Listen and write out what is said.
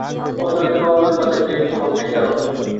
আহারান্তে প্রবলবেগে বাতাস উঠিয়া বিষম বৃষ্টি আরম্ভ হইল।